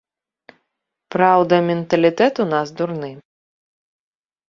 Праўда, менталітэт у нас дурны.